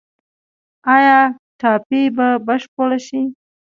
آیا ټاپي به بشپړه شي؟